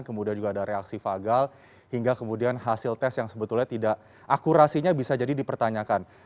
kemudian juga ada reaksi fagal hingga kemudian hasil tes yang sebetulnya tidak akurasinya bisa jadi dipertanyakan